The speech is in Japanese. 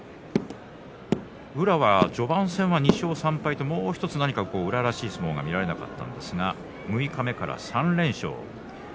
宇良は序盤戦、２勝３敗ともうひとつなにか宇良らしい相撲が見られなかったんですが六日目から３連勝です。